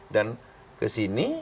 dan ke sini